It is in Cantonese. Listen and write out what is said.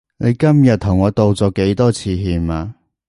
你今日同我道咗幾多次歉啊？